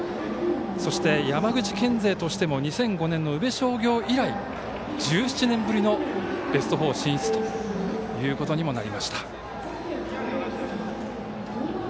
そして、山口県勢としても２００５年の宇部商業以来１７年ぶりのベスト４進出ということにもなりました。